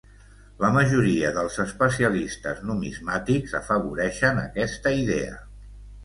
La majoria dels especialistes numismàtics afavoreixen aquesta idea.